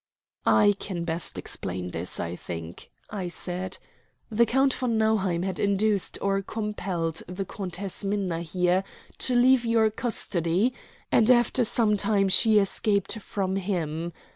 "I can best explain this, I think," I said. "The Count von Nauheim had induced or compelled the Countess Minna here to leave your custody, and after some time she escaped from him.